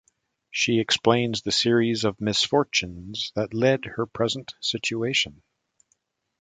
She explains the series of misfortunes that led her present situation.